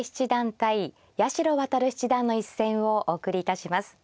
対八代弥七段の一戦をお送りいたします。